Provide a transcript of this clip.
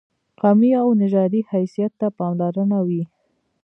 قومي او نژادي حیثیت ته پاملرنه وي.